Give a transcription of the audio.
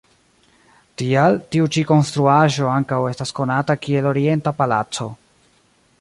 Tial, tiu ĉi konstruaĵo ankaŭ estas konata kiel Orienta Palaco.